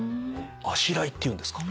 「あしらい」っていうんですか？